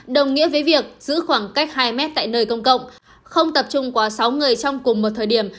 đồng nghĩa với việc giữ khoảng cách hai mét tại nơi công cộng không tập trung quá sáu người trong cùng một thời điểm